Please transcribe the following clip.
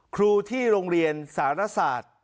ครูที่โรงเรียนสารศาสตร์